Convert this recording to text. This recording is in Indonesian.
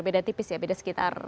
beda tipis ya beda sekitar